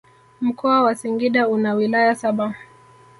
Mkoa wa singida una wilaya saba